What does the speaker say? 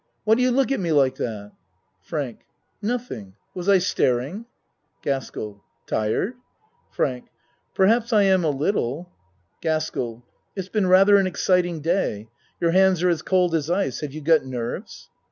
Why do you look at me like that? FRANK Nothing. Was I staring? GASKELL Tired ? FRANK Perhaps I am a little. GASKELL It's been rather an exciting day. Your hands are as cold as ice. Have you got nerves?